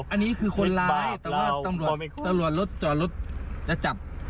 อันนี้คือคนร้ายแต่ว่าตำรวจตำรวจรถจอดรถจะจับ